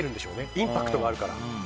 インパクトがあるから。